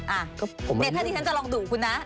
อ่ะเน็ตที่ฉันจะลองดุคุณนะ